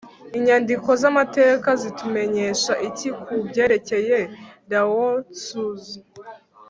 inyandiko z’amateka” zitumenyesha iki ku byerekeye lao-tzu?